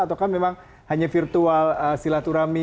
atau kan memang hanya virtual silaturahmi